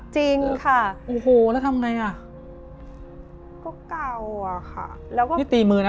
จริงค่ะโอ้โหแล้วทำไงอ่ะก็เก่าอ่ะค่ะแล้วก็นี่ตีมือนะ